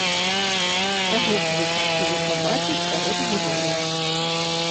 Каго б вы хацелі пабачыць сярод герояў?